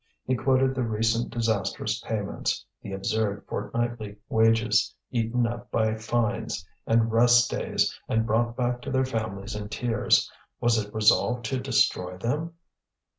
He quoted the recent disastrous payments, the absurd fortnightly wages, eaten up by fines and rest days and brought back to their families in tears. Was it resolved to destroy them?